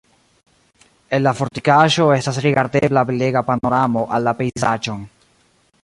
El la fortikaĵo estas rigardebla belega panoramo al la pejzaĝon.